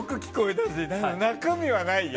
ただ、中身はないよ。